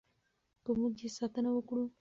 که موږ یې ساتنه وکړو.